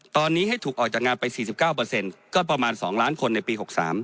ตอนนี้ให้ถูกออกจากงานไป๔๙ก็ประมาณ๒ล้านคนในปี๖๓